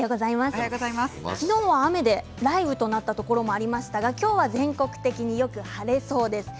昨日も雨で雷雨となったところもありましたが今日は全国的によく晴れそうです。